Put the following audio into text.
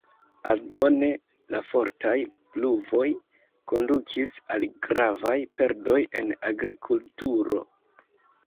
Aldone, la fortaj pluvoj kondukis al gravaj perdoj en agrikulturo.